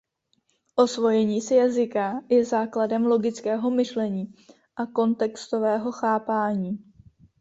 Osvojení si jazyka je základem logického myšlení a kontextového chápání.